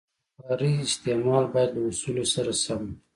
د بخارۍ استعمال باید له اصولو سره سم وي.